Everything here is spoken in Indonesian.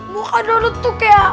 muka dodot itu kayak